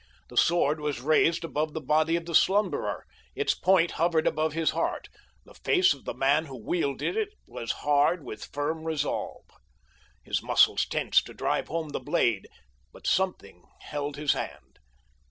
The sword was raised above the body of the slumberer—its point hovered above his heart. The face of the man who wielded it was hard with firm resolve. His muscles tensed to drive home the blade, but something held his hand.